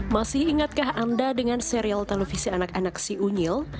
masih ingatkah anda dengan serial televisi anak anak si unyil